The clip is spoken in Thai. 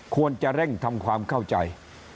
ควรจะเร่งทำความเข้าใจ